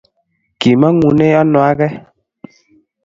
kimangunee ano agei